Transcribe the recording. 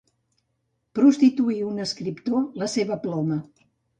Prostituir un escriptor la seva ploma.